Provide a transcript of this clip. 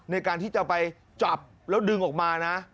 ในการที่จะไปจับแล้วดึงออกมานะ